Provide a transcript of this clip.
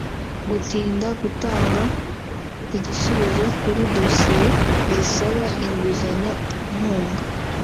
Gutinda gutanga igisubizo kuri dosiye zisaba inguzanyo/inkunga